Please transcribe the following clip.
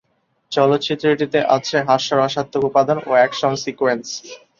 চলচ্চিত্রটিতে আছে হাস্যরসাত্মক উপাদান ও অ্যাকশন সিকোয়েন্স।